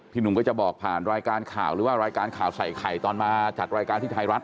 หนุ่มก็จะบอกผ่านรายการข่าวหรือว่ารายการข่าวใส่ไข่ตอนมาจัดรายการที่ไทยรัฐ